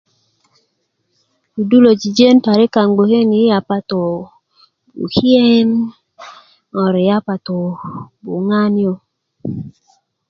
kudu lo jojon parik kaŋ bgoke ni i yapato bukien ŋor yapato buŋan